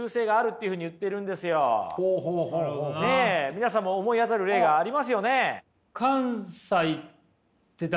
皆さんも思い当たる例がありますよね？